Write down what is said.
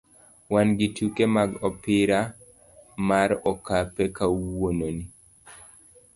wan gi tuke mag opira mar okape kawuononi.